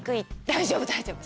大丈夫大丈夫！